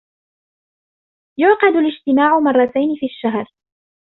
يُعقد الاجتماع مرتين في الشهر.